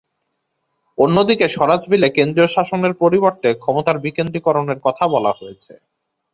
অন্যদিকে স্বরাজ বিলে কেন্দ্রীয় শাসনের পরিবর্তে ক্ষমতার বিকেন্দ্রীকরণের কথা বলা হয়েছে।